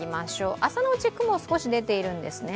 朝のうち、雲が少し出ているんですね。